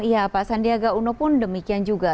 iya pak sandiwada gauno pun demikian juga